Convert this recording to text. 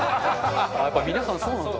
中丸：皆さん、そうなんだ。